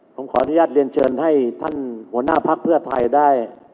ผมขออนุญาตเรียนเชิญให้ท่านหัวหน้าพักเพื่อไทยได้